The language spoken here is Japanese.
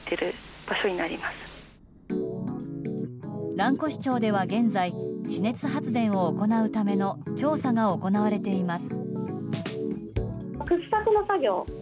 蘭越町では現在、地熱発電を行うための調査が行われています。